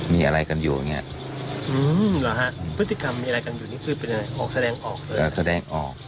มีอะไรกันอยู่อย่างเนี่ย